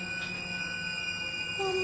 ママ。